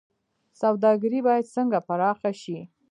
سوداګري باید څنګه پراخه شي؟